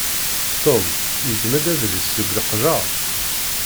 Tom yeddem-d adlis seg leqjer?